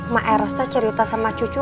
mak eros tuh cerita sama cucu